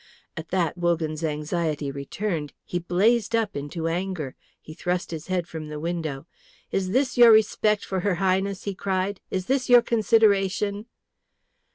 At that Wogan's anxiety returned. He blazed up into anger. He thrust his head from the window. "Is this your respect for her Highness?" he cried. "Is this your consideration?"